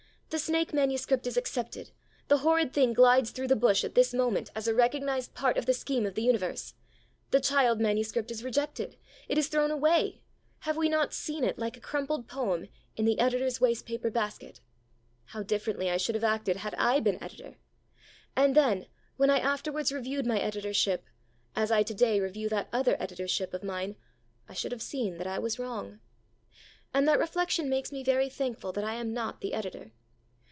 The snake manuscript is accepted; the horrid thing glides through the bush at this moment as a recognized part of the scheme of the universe. The child manuscript is rejected; it is thrown away; have we not seen it, like a crumpled poem, in the editor's waste paper basket? How differently I should have acted had I been editor! And then, when I afterwards reviewed my editorship, as I to day review that other editorship of mine, I should have seen that I was wrong. And that reflection makes me very thankful that I am not the editor.